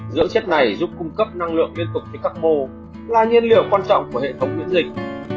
dưỡng chất này giúp cung cấp năng lượng liên tục cho các mô là nhiên liệu quan trọng của hệ thống miễn dịch